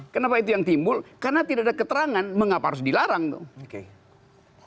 kenapa itu yang timbul karena tidak ada keterangan mengapa harus dilarang dong